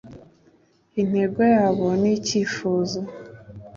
Intego yabo ni icyifuzo;